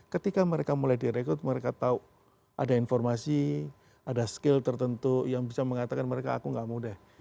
ketika mereka mulai direkrut mereka tahu ada informasi ada skill tertentu yang bisa mengatakan mereka aku nggak mau deh